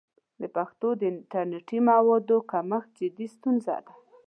د پښتو د انټرنیټي موادو کمښت جدي ستونزه ده.